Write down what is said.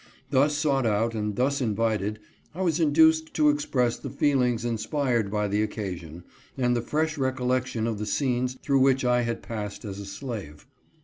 Thus sought out, and thus invited, I was induced to express the feelings inspired by the occasion, and the fresh recol lection of the scenes through which I had passed as a slave.